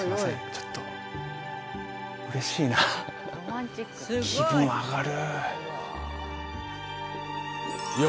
ちょっと嬉しいな気分上がる